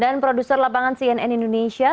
dan produser lapangan cnn indonesia